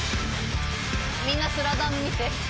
みんな『スラダン』見て。